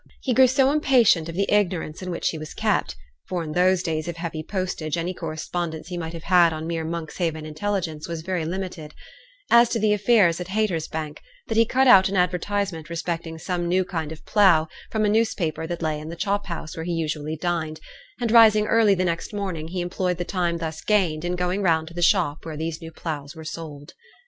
He grew so impatient of the ignorance in which he was kept for in those days of heavy postage any correspondence he might have had on mere Monkshaven intelligence was very limited as to the affairs at Haytersbank, that he cut out an advertisement respecting some new kind of plough, from a newspaper that lay in the chop house where he usually dined, and rising early the next morning he employed the time thus gained in going round to the shop where these new ploughs were sold.